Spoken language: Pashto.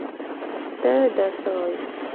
تۀ دا څه وايې ؟